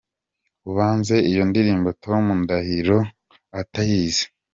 Ubanze iyo ndirimbo Tom Ndahiro atayizi.